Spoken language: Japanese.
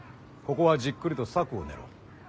ここはじっくりと策を練ろう。